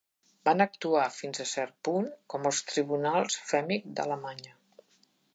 Van actuar fins a cert punt com els tribunals Fehmic d'Alemanya.